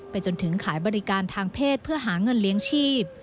จนถึงขายบริการทางเพศเพื่อหาเงินเลี้ยงชีพ